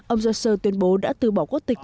ông chaucer tuyên bố đã từ bỏ quốc tịch new york